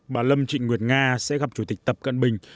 bà lâm trịnh nguyệt nga sẽ gặp chủ tịch tập cận bình